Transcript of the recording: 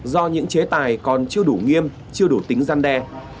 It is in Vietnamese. do những chế tài còn chưa đủ nghiêm chưa đủ tính gian đe